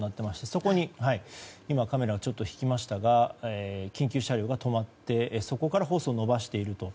そこにカメラは引きましたが緊急車両が止まっていてそこからホースを伸ばしていると。